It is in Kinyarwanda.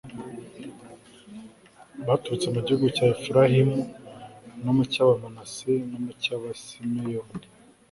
baturutse mu gihugu cya Efurayimu no mu cyAbamanase no mu cyAbasimeyoni